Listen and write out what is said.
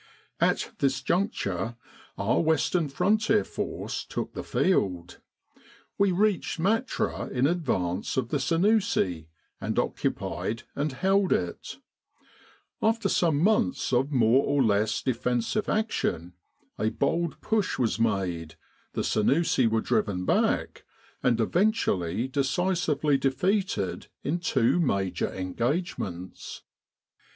At this juncture our Western Frontier Force took 102 The Defence of Egypt on the West the field. We reached Matruh in advance of the Sennussi, and occupied and held it. After some months of more or less defensive action, a bold push was made, the Sennussi were driven back, and event ually decisively defeated in two major engagements.